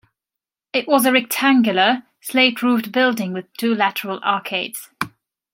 It was a rectangular, slate-roofed building with two lateral arcades.